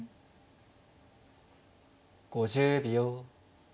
５０秒。